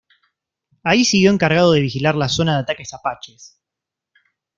Ahí siguió encargado de vigilar la zona de ataques apaches.